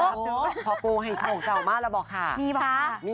บอกพอปู่ให้โชคเต๋ามากแล้วก็บอกค่ะ